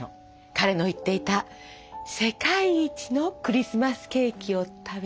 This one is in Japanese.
彼の言っていた世界一のクリスマスケーキを食べにね。